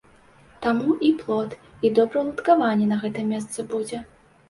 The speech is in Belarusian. Таму і плот, і добраўладкаванне на гэтым месцы будзе.